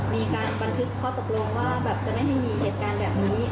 มีการบันทึกข้อตกลงว่าแบบจะไม่ให้มีเหตุการณ์แบบนี้